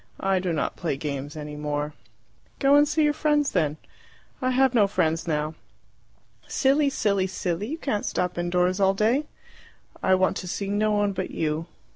"I do not play games any more." "Go and see your friends then." "I have no friends now." "Silly, silly, silly! You can't stop indoors all day!" "I want to see no one but you."